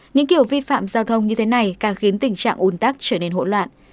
những kiểu vi phạm giao thông như thế này càng khiến tình trạng ủn tắc trở nên hỗn loạn